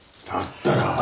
だったら。